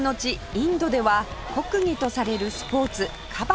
インドでは国技とされるスポーツカバディ